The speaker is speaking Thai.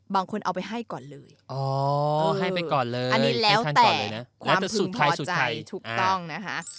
บางคนเอาไปให้ก่อนเลยอ๋อให้ไปก่อนเลยอันนี้แล้วแต่ความพึงพอใจถูกต้องนะคะ